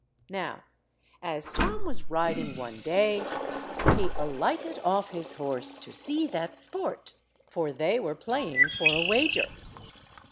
Now as Tom was riding one day, he alighted off his horse to see that sport, for they were playing for a wager.